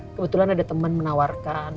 kebetulan ada temen menawarkan